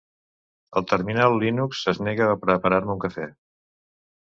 El terminal Linux es nega a preparar-me un cafè.